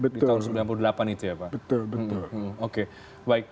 di tahun sembilan puluh delapan itu ya pak